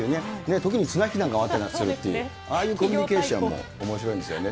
時に綱引きなんかもあったりするっていう、ああいうコミュニケーションもおもしろいんですよね。